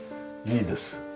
いいです。